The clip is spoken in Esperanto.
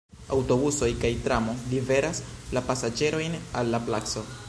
Aŭtobusoj kaj tramo liveras la pasaĝerojn al la placo.